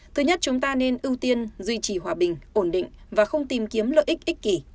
thứ nhất chúng ta nên ưu tiên duy trì hòa bình ổn định và không tìm kiếm lợi ích ích kỷ